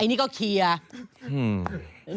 ไอ้นี่ก็เคียร์